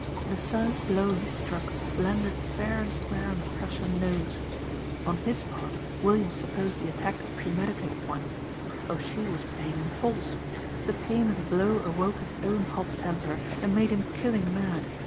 The first blow he struck landed fair and square on the Prussian nose. On his part Williams supposed the attack a premeditated one. O'Sheill was playing him false. The pain of the blow awoke his own hot temper and made him killing mad.